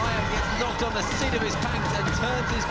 อัฟฟินอัลโน่ยังเห็นกับเวลาที่เตรียม